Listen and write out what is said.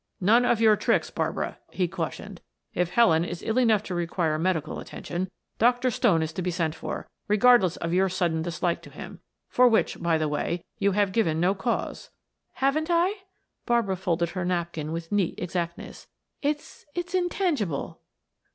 "None of your tricks, Barbara," he cautioned. "If Helen is ill enough to require medical attention, Dr. Stone is to be sent for, regardless of your sudden dislike to him, for which, by the way, you have given no cause." "Haven't I?" Barbara folded her napkin with neat exactness. "It's it's intangible."